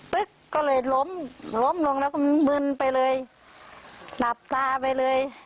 ก็เลยล้มล้มลงแล้วก็มึนไปเลยหลับตาไปเลย